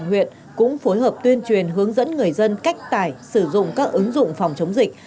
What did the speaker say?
huyện cũng phối hợp tuyên truyền hướng dẫn người dân cách tải sử dụng các ứng dụng phòng chống dịch